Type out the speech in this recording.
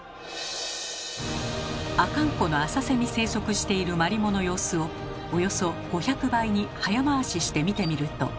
阿寒湖の浅瀬に生息しているマリモの様子をおよそ５００倍に早回しして見てみると。